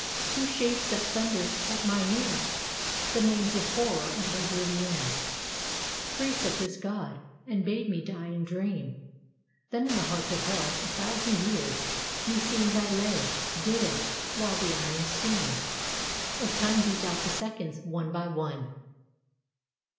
two shapes that thundered at mine ears The names of Horror and Oblivion, Priests of this god, and bade me die and dream. Then, in the heart of hell, a thousand years Meseemed I lay dead; while the iron stream Of Time beat out the seconds, one by one.